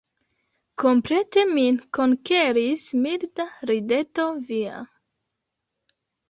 Komplete min konkeris milda rideto via.